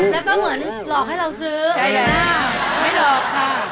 แล้วก็เหมือนหลอกให้เราซื้อไม่หลอกค่ะ